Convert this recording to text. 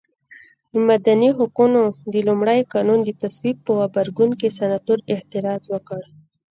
د مدني حقونو د لومړ قانون د تصویب په غبرګون کې سناتور اعتراض وکړ.